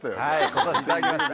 来させていただきました。